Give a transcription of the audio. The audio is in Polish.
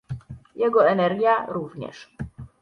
Jego energia również.